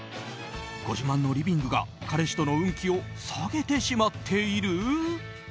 ご自慢のリビングが、彼氏との運気を下げてしまっている。